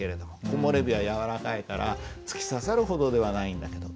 「木漏れ日はやわらかいから突き刺さるほどではないんだけど」。